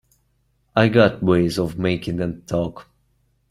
I got ways of making them talk.